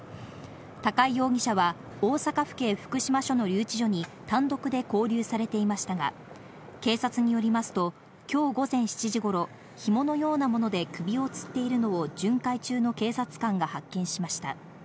高井容疑者は、大阪府警福島署の留置場に単独で勾留されていましたが、警察によりますと、きょう午前７時ごろ、ひものようなもので首をつっているのを巡回中の警察官が発見しました。